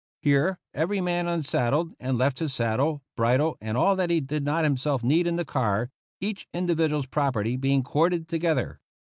Here every man unsaddled, and left his saddle, bridle, and all that he did not himself need in the car, each individual's property being corded together.